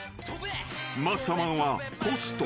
［マッサマンはポスト。